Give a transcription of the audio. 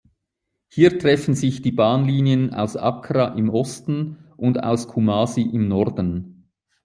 Hier treffen sich die Bahnlinien aus Accra im Osten und aus Kumasi im Norden.